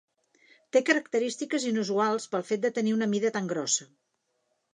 Té característiques inusuals pel fet de tenir una mida tan grossa.